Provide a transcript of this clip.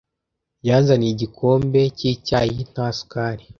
Yanzaniye igikombe cy'icyayi nta sukari.